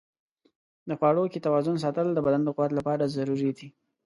د خواړو کې توازن ساتل د بدن د قوت لپاره ضروري دي.